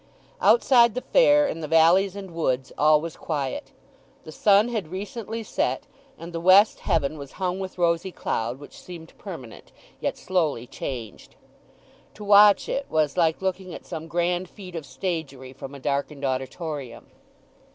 Outside the fair, in the valleys and woods, all was quiet. The sun had recently set, and the west heaven was hung with rosy cloud, which seemed permanent, yet slowly changed. To watch it was like looking at some grand feat of stagery from a darkened auditorium.